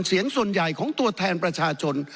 เสียงส่วนใหญ่ของตัวแทนประชาชน